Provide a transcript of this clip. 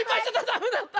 ダメだった！